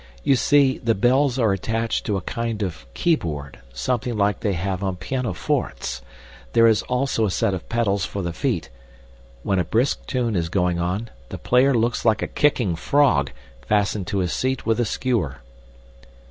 You see, the bells are attached to a kind of keyboard, something like they have on pianofortes; there is also a set of pedals for the feet; when a brisk tune is going on, the player looks like a kicking frog fastened to his seat with a skewer."